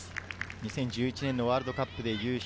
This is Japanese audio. ２０１１年ワールドカップで優勝。